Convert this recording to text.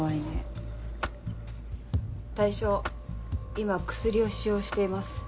今薬を使用しています。